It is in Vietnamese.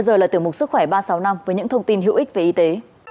chúc khỏe ba sáu năm với những thông tin hữu ích về y tế